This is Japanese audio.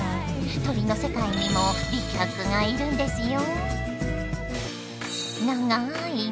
鳥の世界にも美脚がいるんですよ。